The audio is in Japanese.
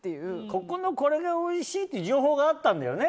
ここはオニオンがおいしいって情報があったんだよね。